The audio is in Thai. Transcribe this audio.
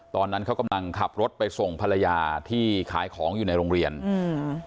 ตอนนั้นเขากำลังขับรถไปส่งภรรยาที่ขายของอยู่ในโรงเรียนอืม